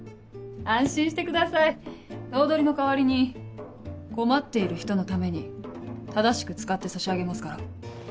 安心してください頭取の代わりに困っている人のために正しく使ってさしあげますから。